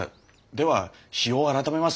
では日を改めます。